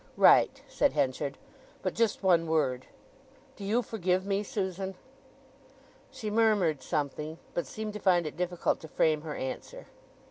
"Right," said Henchard. "But just one word. Do you forgive me, Susan?" She murmured something; but seemed to find it difficult to frame her answer.